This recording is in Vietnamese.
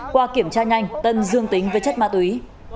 qua kiểm tra nhanh tân dương tính với chất ma túy